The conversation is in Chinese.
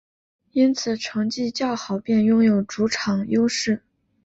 因此成绩较好便拥有主场优势。